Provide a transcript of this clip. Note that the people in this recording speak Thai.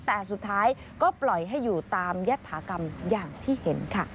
แต่สุดท้ายก็ปล่อยให้อยู่ตามยัตถากรรมอย่างที่เห็นค่ะ